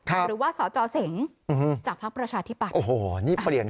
ครับหรือว่าสอเจาะเสียงอืมจากภาคประชาธิปัตย์โอ้โหนี่เปลี่ยน